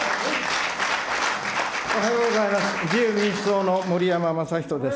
おはようございます。